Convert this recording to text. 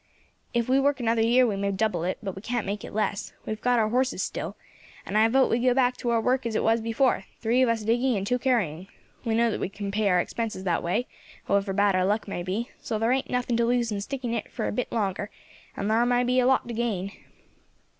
If we work another year we may double it, but we can't make it less; we have got our horses still, and I vote we go back to our work as it was before, three of us digging and two carrying. We know that way we can pay our expenses, however bad our luck may be, so thar ain't nothing to loose in sticking to it for a bit longer, and thar may be a lot to gain."